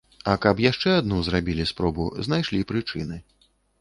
А каб яшчэ адну зрабілі спробу, знайшлі прычыны.